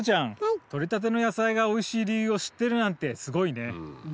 とれたての野菜がおいしい理由を知ってるなんてすごいね。